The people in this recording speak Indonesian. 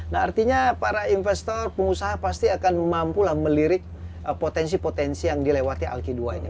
nah artinya para investor pengusaha pasti akan mampu lah melirik potensi potensi yang dilewati alki dua ini